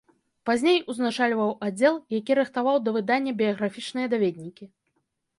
Пазней узначальваў аддзел, які рыхтаваў да выдання біяграфічныя даведнікі.